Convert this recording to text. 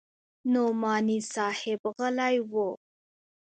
نعماني صاحب غلى و.